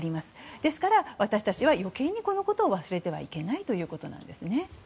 ですから、私たちは余計にこのことを忘れてはいけないというわけです。